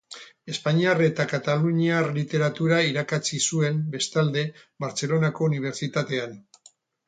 Espainiar eta kataluniar literatura irakatsi zuen, bestalde, Bartzelonako Unibertsitatean.